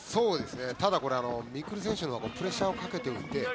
ただ、未来選手がプレッシャーをかけていて。